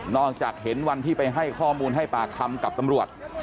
จากเห็นวันที่ไปให้ข้อมูลให้ปากคำกับตำรวจ